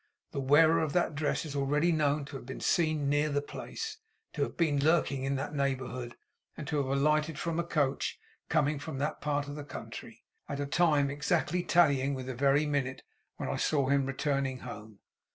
The wearer of that dress is already known to have been seen near the place; to have been lurking in that neighbourhood; and to have alighted from a coach coming from that part of the country, at a time exactly tallying with the very minute when I saw him returning home.